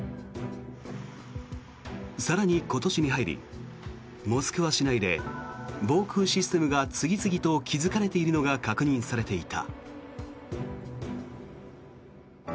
更に、今年に入りモスクワ市内で防空システムが次々と築かれているのが確認されていた。